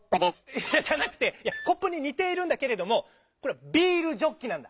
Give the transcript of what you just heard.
いやじゃなくてコップににているんだけれどもこれは「ビールジョッキ」なんだ。